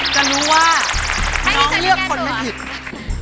จะรู้ว่าน้องเลือกคนไม่ผิด